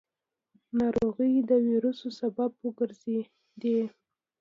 ناروغۍ د وېرو سبب وګرځېدې.